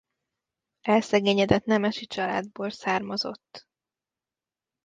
Elszegényedett nemesi családból származott.